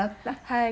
はい。